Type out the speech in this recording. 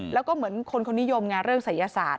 แล้วก็เหมือนคนคนนิยมเรื่องศัยยศาสตร์